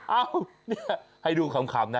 เอ้านี่ให้ดูขำนะ